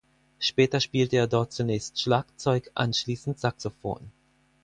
Später spielte er dort zunächst Schlagzeug, anschließend Saxophon.